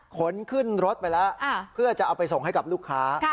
ขนขึ้นรถไปแล้วเพื่อจะเอาไปส่งให้กับลูกค้า